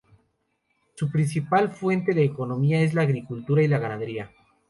Su principal fuente de economía es la agricultura y la ganadería.